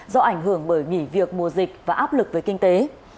do ảnh hưởng bởi nghỉ việc mùa dịch và áp lực về kinh tế